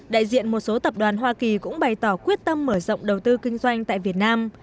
đại diện một số tập đoàn hoa kỳ cũng bày tỏ quyết tâm mở rộng đầu tư kinh doanh tại việt nam